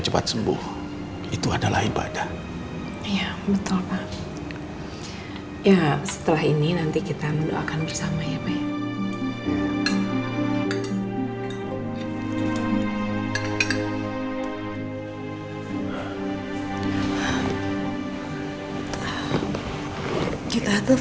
kita telpon siapa lagi ya pak